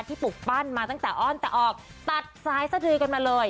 ปลุกปั้นมาตั้งแต่อ้อนแต่ออกตัดสายสะดือกันมาเลย